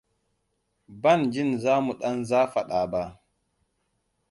Ban jin za mu ɗan zafaɗa ba.